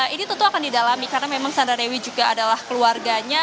ini tentu akan didalami karena memang sandra dewi juga adalah keluarganya